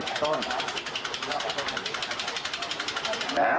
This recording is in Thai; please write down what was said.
ทำดีเลยกับคุณ